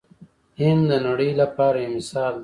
هند د نړۍ لپاره یو مثال دی.